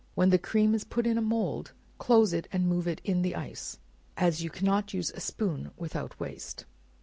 When the cream is put in a mould, close it and move it in the ice, as you cannot use a spoon without waste.